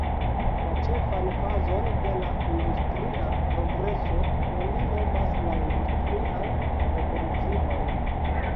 La ĉefan fazon de la industria progreso oni nomas la industrian revolucion.